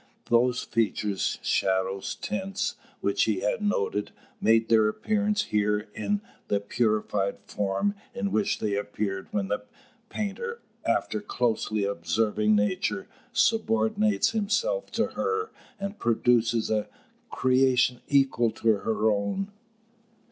Those features, shadows, tints, which he had noted, made their appearance here in the purified form in which they appear when the painter, after closely observing nature, subordinates himself to her, and produces a creation equal to her own.